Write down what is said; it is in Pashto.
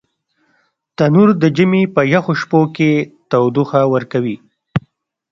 تنور د ژمي په یخو شپو کې تودوخه ورکوي